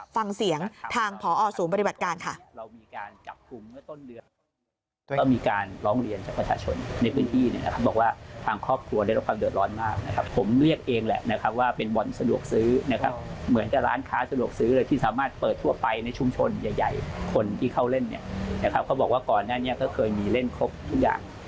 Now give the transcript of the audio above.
ฟังเสียงทางพอศูนย์ปฏิบัติการค่ะ